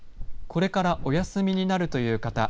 これから、おやすみになるという方